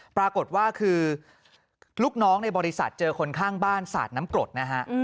ปรากฏว่าคือลูกน้องในบริษัทเจอคนข้างบ้านสาดน้ำกรดนะฮะ